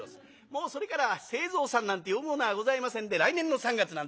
もうそれからは「清蔵さん」なんて呼ぶ者はございませんで「来年の三月」なんてんであだ名が付く。